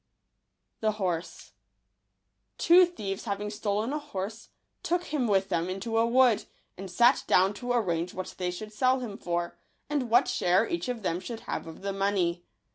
I ®j)e | W O thieves having stolen a horse, i to °k hi m with them into a wood, | and sat down to arrange what they | should sell him for, and what I share each of them should have of the money.